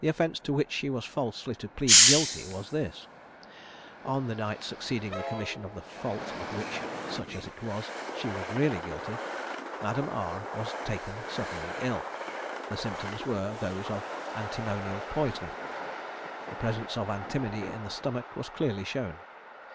The offence to which she was falsely to plead guilty was this. On the night succeeding the commission of the fault of which, such as it was, she was really guilty, Madame R was taken suddenly ill. The symptoms were those of antimonial poisoning. The presence of antimony in the stomach was clearly shown.